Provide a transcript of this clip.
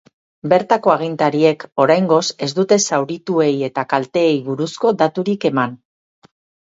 Bertako agintariek, oraingoz, ez dute zaurituei eta kalteei buruzko daturik eman.